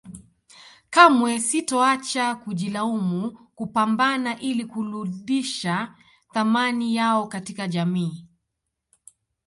Kamwe sitoacha kujilaumu kupambana ili kuludisha thamani yao katika jamii